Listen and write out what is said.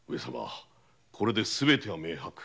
これですべては明白。